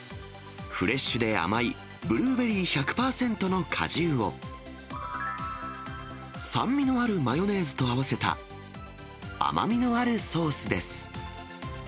フレッシュで甘いブルーベリー１００％の果汁を、酸味のあるマヨネーズと合わせた、甘みのあるソースです。